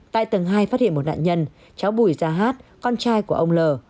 tại tầng hai phát hiện một nạn nhân cháu bùi gia hát con trai của ông l